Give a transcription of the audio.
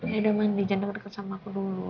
ya udah mandi jangan deket deket sama aku dulu